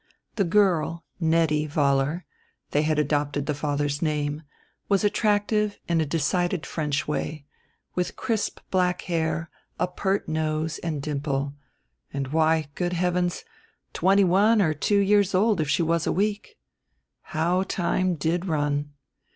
The girl, Nettie Vollar they had adopted the father's name was attractive in a decided French way, with crisp black hair, a pert nose and dimple, and, why, good heavens, twenty one or two years old if she was a week! How time did run.